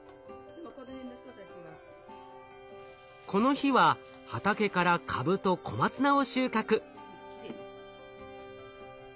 この日は畑からカブと小松菜を収穫。